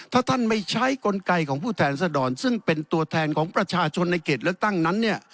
ถ้าท่านไม่ใช้กลไกของผู้แทนสดรซึ่งเป็นตัวแทนของประชาชนในเขตเลือกตั้งนั้นเนี่ย